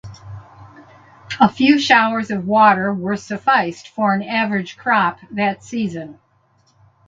A few showers of water were sufficed for an average crop that season.